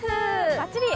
バッチリ。